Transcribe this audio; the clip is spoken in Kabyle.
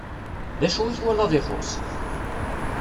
D acu i twalaḍ ixuṣṣ?